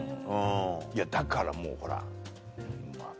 だからもうほらまぁ